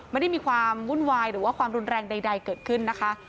ไม่ได้มีความวุ่นวายหรือว่าความรุนแรงใดเกิดขึ้นนะคะ